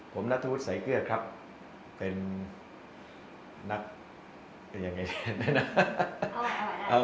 ผมนักศูนย์สายเครื่องครับเป็นนักอย่างไรด้วยนะ